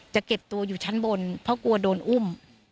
จะเก็บตัวอยู่ชั้นบนเพราะกลัวโดนอุ้ม